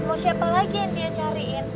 mau siapa lagi yang dia cariin